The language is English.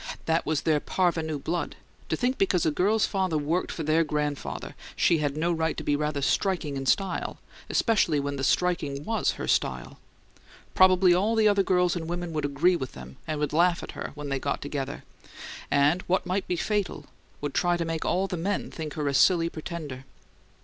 That was their parvenu blood: to think because a girl's father worked for their grandfather she had no right to be rather striking in style, especially when the striking WAS her style. Probably all the other girls and women would agree with them and would laugh at her when they got together, and, what might be fatal, would try to make all the men think her a silly pretender.